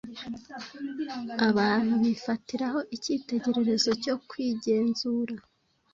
Abantu bifatiraho icyitegererezo cyo kwigenzura,